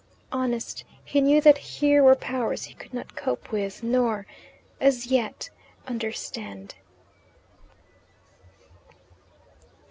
Honest, he knew that here were powers he could not cope with, nor, as yet, understand.